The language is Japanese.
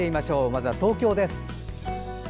まずは東京です。